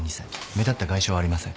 目立った外傷はありません。